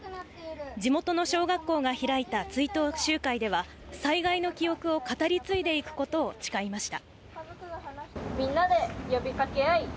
地元の小学校が開いた追悼集会では、災害の記憶を語り継いでいくことを誓いました。